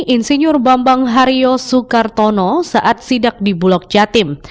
insinyur bambang hario soekartono saat sidak di bulog jatim